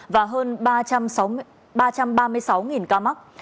và hơn ba trăm ba mươi sáu ca mắc